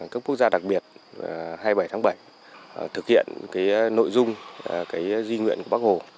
các quốc gia đặc biệt hai mươi bảy tháng bảy thực hiện nội dung di nguyện của bắc hồ